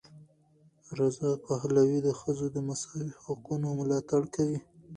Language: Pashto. رضا پهلوي د ښځو د مساوي حقونو ملاتړ کوي.